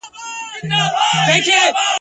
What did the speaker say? په ککړو په شکرونو سوه له خدایه !.